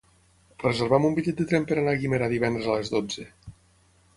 Reserva'm un bitllet de tren per anar a Guimerà divendres a les dotze.